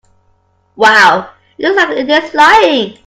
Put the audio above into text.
Wow! It looks like it is flying!